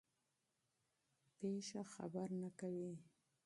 حادثه خبر نه کوي.